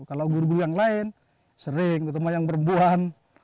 kalau guru guru yang lain sering ketemu yang perempuan